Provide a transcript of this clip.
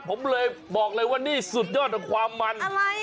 ผมเลยบอกเลยว่านี่สุดยอดของความมัน